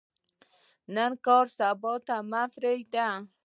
د نن کار سبا ته مه پریږدئ